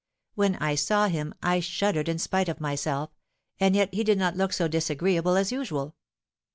When I saw him, I shuddered in spite of myself, and yet he did not look so disagreeable as usual.